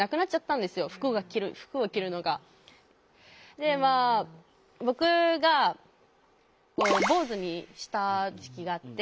でまあ僕が坊主にした時期があって。